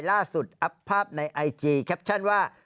อัพภาพในไอจีแคปชั่นว่า